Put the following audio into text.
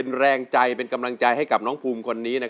โทษใจโทษใจโทษใจโทษใจโทษใจโทษใจโทษใจโทษใจโทษใจ